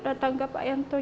datang lagi pelakyakan dan